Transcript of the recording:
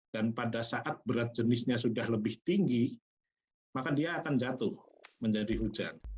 dan pada saat berat jenisnya sudah lebih tinggi maka dia akan jatuh menjadi hujan